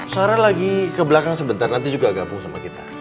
sarah lagi kebelakang sebentar nanti juga gabung sama kita